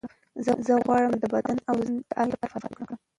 زه غواړم د بدن او ذهن د آرامۍ لپاره فعالیت وکړم.